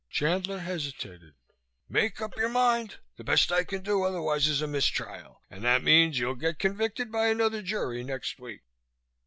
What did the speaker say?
Chandler hesitated. "Make up your mind! The best I can do otherwise is a mistrial, and that means you'll get convicted by another jury next week."